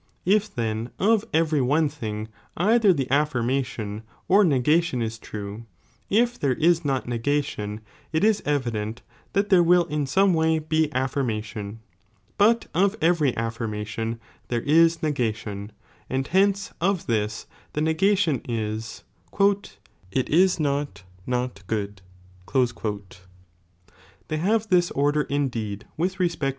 Ifthenof every one thing dther the affirm ation or negation is true, if there is not negation, it is evident that there will in some way be affirmation, but of every affirm ation there is negation, and hence of this ' the negation is, "it is not not good," They have this order indeed with respect i.